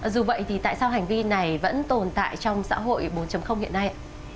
dù vậy thì tại sao hành vi này vẫn tồn tại trong xã hội bốn hiện nay